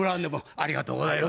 ありがとうございます。